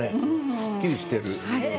すっきりしてる。